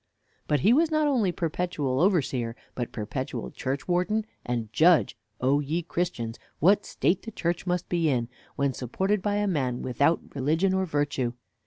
But he was not only perpetual overseer, but perpetual churchwarden; and judge, O ye Christians, what state the church must be in, when supported by a man without religion or virtue.